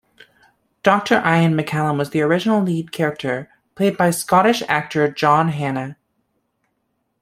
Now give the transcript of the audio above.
Doctor Iain McCallum was the original lead character, played by Scottish actor John Hannah.